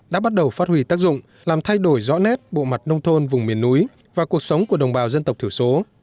đã bắt đầu phát huy tác dụng làm thay đổi rõ nét bộ mặt nông thôn vùng miền núi và cuộc sống của đồng bào dân tộc thiểu số